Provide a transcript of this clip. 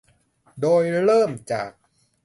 โดยเริ่มจาก